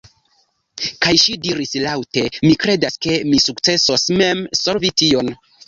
Kaj ŝi diris laŭte: "Mi kredas ke mi sukcesos mem solvi tion."